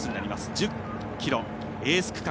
１０ｋｍ、エース区間。